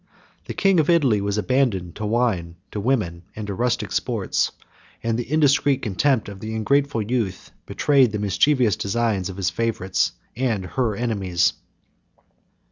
The king of Italy was abandoned to wine, to women, and to rustic sports; and the indiscreet contempt of the ungrateful youth betrayed the mischievous designs of his favorites and her enemies.